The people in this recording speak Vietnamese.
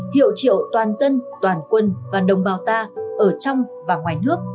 hiệu triệu toàn dân toàn quân và đồng bào ta ở trong và ngoài nước